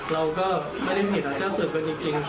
เราก็ไม่ได้ผิดเราเจ้าสื่อเป็นจริง